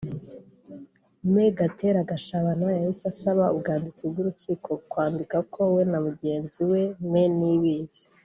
Me Gatera Gashabana yahise asaba ubwanditsi bw’Urukiko kwandika ko we na mugenzi we Me Niyibizi